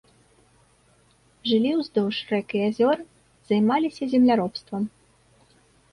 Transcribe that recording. Жылі ўздоўж рэк і азёр, займаліся земляробствам.